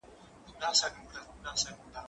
زه مخکي سپينکۍ مينځلي وو!.